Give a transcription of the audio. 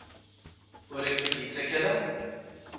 Ur ak-t-id-yettak ara?